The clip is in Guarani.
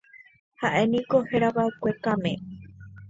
Ha'éniko herava'ekue Kame.